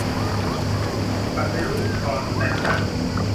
ปฏิรูปก่อนแต่งตั้ง